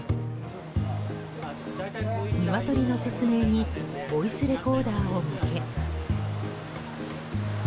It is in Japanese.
ニワトリの説明にボイスレコーダーを向け。